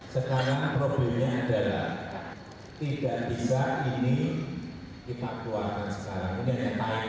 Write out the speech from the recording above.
sekarang problemnya adalah tidak bisa ini dipaktuakan sekarang